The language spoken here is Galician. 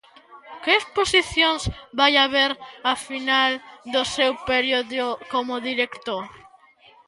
Que exposicións vai haber a final do seu período como director?